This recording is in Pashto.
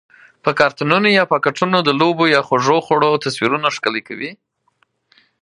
په کارتنونو یا پاکټونو د لوبو یا خوږو خوړو تصویرونه ښکلي کوي؟